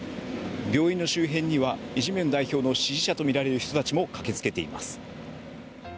病院の周辺にはイ・ジェミョン代表の支持者とみられる人たちも駆けつけています。